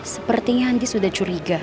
sepertinya andi sudah curiga